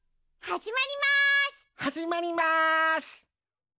はじまります！